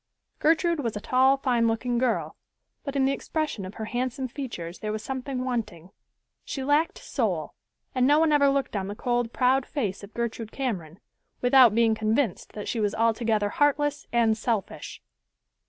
Gertrude was a tall, fine looking girl, but in the expression of her handsome features there was something wanting. She lacked soul, and no one ever looked on the cold, proud face of Gertrude Cameron, without being convinced that she was altogether heartless and selfish.